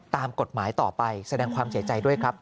ตามกฎหมายต่อไปแสดงความเสียใจด้วยครับ